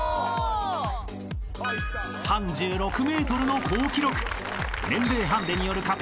［３６ｍの好記録］